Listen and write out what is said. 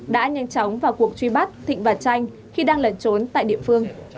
đã nhanh chóng vào cuộc truy bắt thịnh và tranh khi đang lẩn trốn tại địa phương